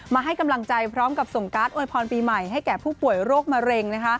มาให้กำลังใจพร้อมกับส่งการ์ดอวยพรปีใหม่ให้แก่ผู้ป่วยโรคมะเร็ง